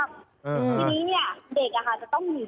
ทีนี้เด็กนะคะจะต้องหนี